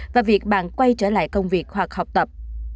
và việc bạn quay trở lại công việc hoặc học tập